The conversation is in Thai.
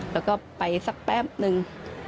แล้วก็ไปสักแป๊บนึง